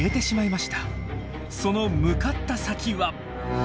その向かった先は。